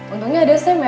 untungnya ada sam ya kan